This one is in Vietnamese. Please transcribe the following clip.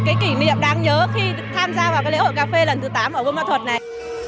khi tham gia vào lễ hội cà phê lần thứ tám ở buôn mê thuật này